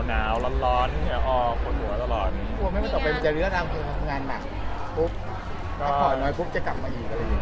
น้าวร้อนอ้อโคตรหัวตลอด